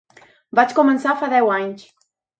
Vaig començar fa deu anys.